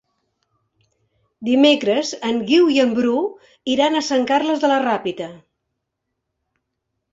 Dimecres en Guiu i en Bru iran a Sant Carles de la Ràpita.